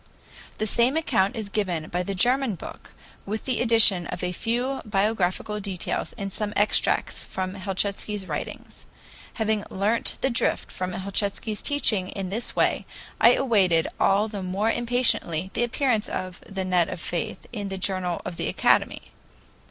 The same account is given by the German book, with the addition of a few biographical details and some extracts from Helchitsky's writings. Having learnt the drift of Helchitsky's teaching in this way, I awaited all the more impatiently the appearance of "The Net of Faith" in the journal of the Academy.